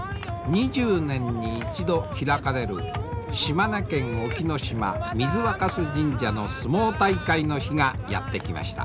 ２０年に一度開かれる島根県隠岐島水若酢神社の相撲大会の日がやって来ました。